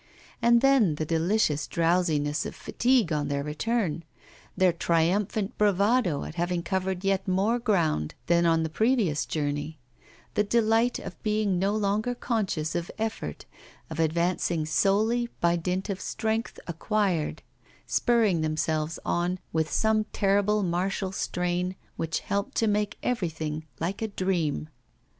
And then the delicious drowsiness of fatigue on their return, their triumphant bravado at having covered yet more ground than on the precious journey, the delight of being no longer conscious of effort, of advancing solely by dint of strength acquired, spurring themselves on with some terrible martial strain which helped to make everything like a dream.